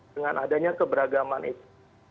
dengan adanya keberagaman itu